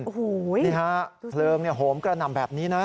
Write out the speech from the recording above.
อู้หูยดูสินี่ฮะเพลิงโหมกระหน่ำแบบนี้นะ